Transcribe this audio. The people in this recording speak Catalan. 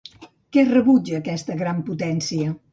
Què rebutja aquesta gran potència?